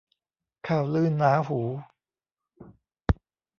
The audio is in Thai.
ข่าวลือหนาหู